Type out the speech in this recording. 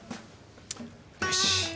よし。